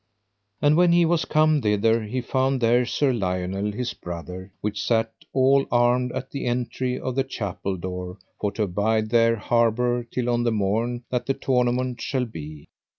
And when he was come thither he found there Sir Lionel, his brother, which sat all armed at the entry of the chapel door for to abide there harbour till on the morn that the tournament shall be.